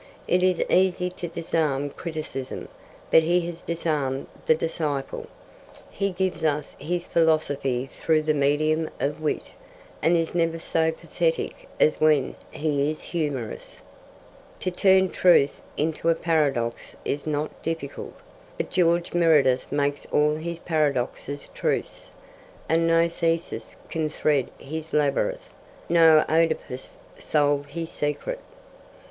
It is easy to disarm criticism, but he has disarmed the disciple. He gives us his philosophy through the medium of wit, and is never so pathetic as when he is humorous. To turn truth into a paradox is not difficult, but George Meredith makes all his paradoxes truths, and no Theseus can thread his labyrinth, no OEdipus solve his secret.